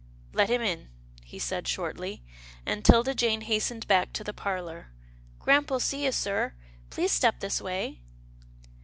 Let him in," he said shortly, and 'Tilda Jane hastened back to the parlour. " Grampa '11 see you, sir. Please step this way."